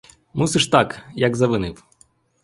Мусиш так, як завинив.